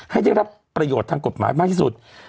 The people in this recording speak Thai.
ให้ได้รับประโยชน์ทางกฎหมายมากที่สุด